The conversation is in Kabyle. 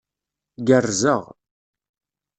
Gerrzeɣ.